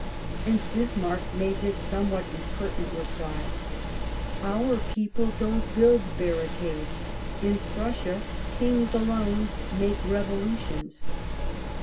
And Bismarck made this somewhat impertinent reply :" Our people don't build barricades ; in Prussia Kings alone make revolutions."